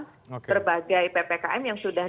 terbagai ppkm yang sudah